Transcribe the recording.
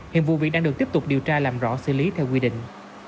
hiện vụ việc đang được tiếp tục điều tra làm rõ xử lý theo quy định